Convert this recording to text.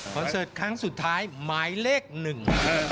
เสิร์ตครั้งสุดท้ายหมายเลขหนึ่ง